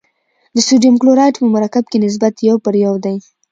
د سوډیم کلورایډ په مرکب کې نسبت یو پر یو دی.